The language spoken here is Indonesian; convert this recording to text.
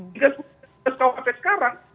jika sudah di delik aduan sekarang